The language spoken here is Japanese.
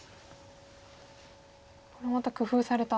これまた工夫された。